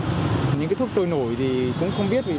những cái thuốc trôi nổi thì cũng không biết